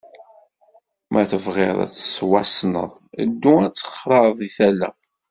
Ma tebɣiḍ ad tettwassneḍ, ddu ad texraḍ di tala.